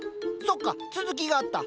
そっか続きがあった。